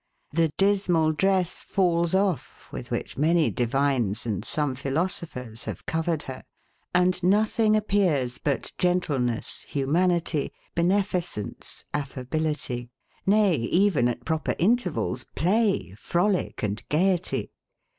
The dismal dress falls off, with which many divines, and some philosophers, have covered her; and nothing appears but gentleness, humanity, beneficence, affability; nay, even at proper intervals, play, frolic, and gaiety.